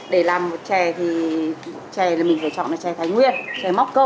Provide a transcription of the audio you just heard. để làm một trà thì mình phải chọn trà thái nguyên trà móc cơ